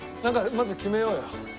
まず決めようよ。